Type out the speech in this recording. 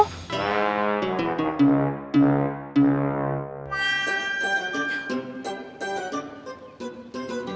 aku selalu mencari